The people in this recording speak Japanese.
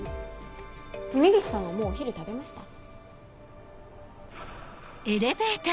峰岸さんはもうお昼食べました？